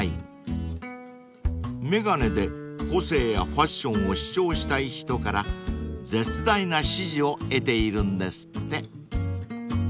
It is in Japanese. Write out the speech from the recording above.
［眼鏡で個性やファッションを主張したい人から絶大な支持を得ているんですって］